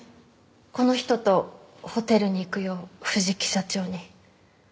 この人とホテルに行くよう藤木社長に。